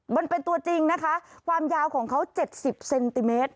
มันเป็นตัวจริงนะคะความยาวของเขา๗๐เซนติเมตร